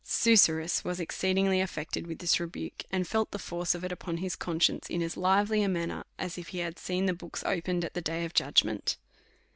Susurrus wa§ exceedingly affected with this rebuke, and felt the force of it upon his conscience in as lively a manner, as if he had seen the books opened at the day of judgment.